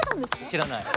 知らない。